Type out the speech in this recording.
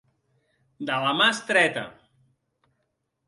De la mà estreta.